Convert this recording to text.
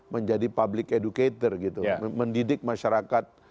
menjadi public educator gitu mendidik masyarakat